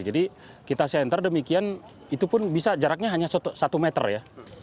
kita center demikian itu pun bisa jaraknya hanya satu meter ya